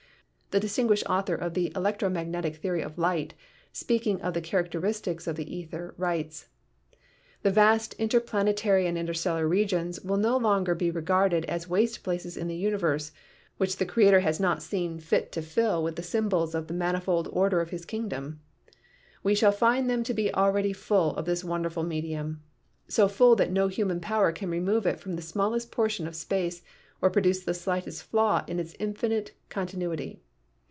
The distinguished author of the electro magnetic theory of light, speaking of the char acteristics of the ether, writes: "The vast interplanetary and interstellar regions will no longer be regarded as waste places in the universe, which the Creator has not seen fit to fill with the symbols of the manifold order of His kingdom. We shall find them to be already full of this wonderful medium; so full that no human power can remove it from the smallest portion of space or produce the slightest flaw in its infinite continu ity.